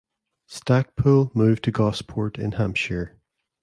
Stacpoole moved to Gosport in Hampshire.